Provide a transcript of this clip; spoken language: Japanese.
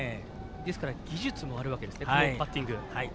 ですから技術もあるわけですねバッティング。